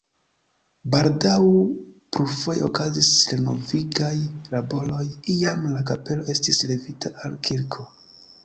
Baldaŭ plurfoje okazis renovigaj laboroj, iam la kapelo estis levita al kirko.